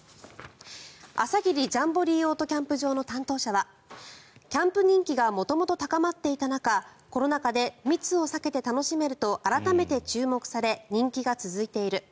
朝霧ジャンボリーオートキャンプ場の担当者はキャンプ人気が元々高まっていた中コロナ禍で密を避けて楽しめると改めて注目され人気が続いている。